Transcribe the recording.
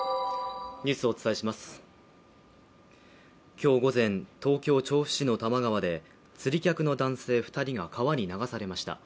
今日午前、東京・調布市の多摩川で釣り客の男性２人が川に流されました。